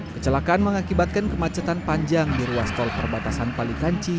kecelakaan mengakibatkan kemacetan panjang di ruas tol perbatasan palikanci